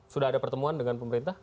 sudah ada pertemuan dengan pemerintah